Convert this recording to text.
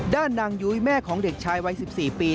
ด้านนางยุ้ยแม่ของเด็กชายวัย๑๔ปี